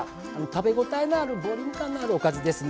食べ応えのあるボリューム感のあるおかずですね。